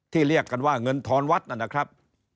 เรียกกันว่าเงินทอนวัดนะครับ